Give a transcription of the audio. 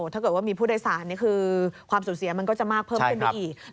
ถ้าเกิดว่ามีผู้โดยสารนี่คือความสูญเสียมันก็จะมากเพิ่มขึ้นไปอีก